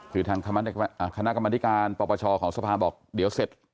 คือทางคณะกรรมธิการปปชของสภาบอกเดี๋ยวเสร็จ